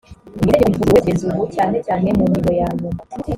itegeko ryavuguruwe kugeza ubu cyane cyane mu ngingo yanyuma